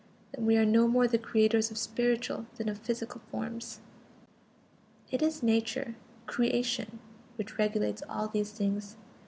Then we are no more the creators of spiritual than of physical forms. It is Nature, "creation," which regulates all these things.